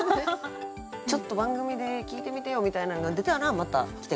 ちょっと番組で聞いてみてよみたいなのが出たらまた来て。